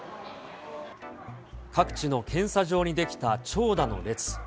各地の検査場に出来た長蛇の列。